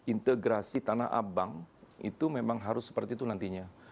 integrasi tanah abang itu memang harus seperti itu nantinya